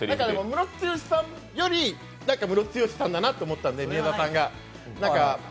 ムロツヨシさんよりムロツヨシさんだなと思ったんで。